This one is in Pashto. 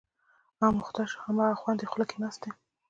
اموخته شو، هماغه خوند یې خوله کې ناست دی.